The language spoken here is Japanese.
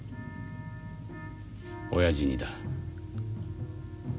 おやじにだ。